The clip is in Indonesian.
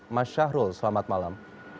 mas syahrul selamat malam